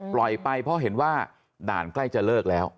ปล่อยไปเพราะเห็นว่าด่านใกล้จะเลิกแล้ว